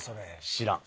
知らん。